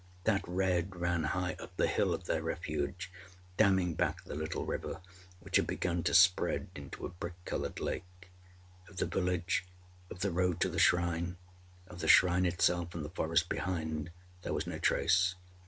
That red ran high up the hill of their refuge, damming back the little river, which had begun to spread into a brick coloured lake. Of the village, of the road to the shrine, of the shrine itself, and the forest behind, there was no trace.